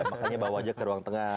makanya bawa aja ke ruang tengah